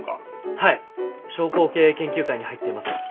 はい商工経営研究会に入っています。